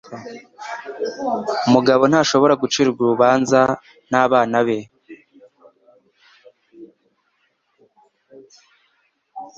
Umugabo ntashobora gucirwa urubanza n’abana be.